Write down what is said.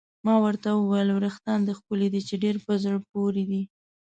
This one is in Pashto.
ما ورته وویل: وریښتان دې ښکلي دي، چې ډېر په زړه پورې دي.